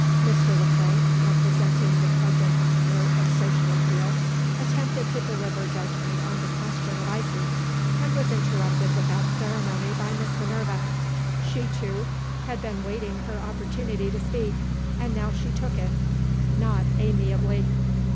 Mr. Le Frank, representing the present Court of Social Appeal, attempted to deliver judgment on the question of ices, and was interrupted without ceremony by Miss Minerva. She, too, had been waiting her opportunity to speak, and she now took it not amiably.